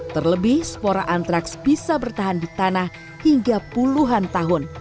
terlebih spora antraks bisa bertahan di tanah hingga puluhan tahun